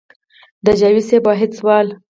د جاوېد صېب واحد سوال